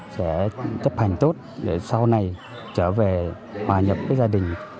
sẽ chấp hành tốt để sau này trở về hòa nhập với gia đình